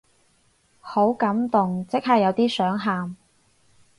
好感動，即刻有啲想喊